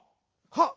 はっ。